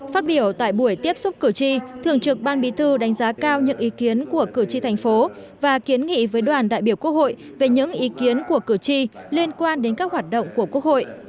phát biểu tại buổi tiếp xúc cử tri thường trực ban bí thư đánh giá cao những ý kiến của cử tri thành phố và kiến nghị với đoàn đại biểu quốc hội về những ý kiến của cử tri liên quan đến các hoạt động của quốc hội